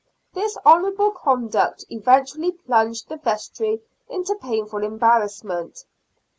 This honourable conduct eventually plunged the Vestry into painful embarrassment.